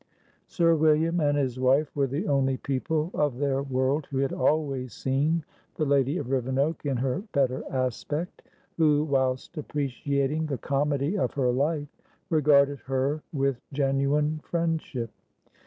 Sir William and his wife were the only people of their world who had always seen the lady of Rivenoak in her better aspect; who, whilst appreciating the comedy of her life, regarded her with genuine friendship.